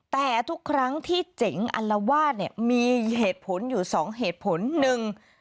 แต่ทุกครั้งที่เจ๋งอัลวาดเนี่ยมีเหตุผลอยู่สองเหตุผลหนึ่ง